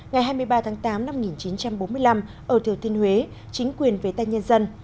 ngày hai mươi ba tháng tám năm một nghìn chín trăm bốn mươi năm ở thừa thiên huế chính quyền về tay nhân dân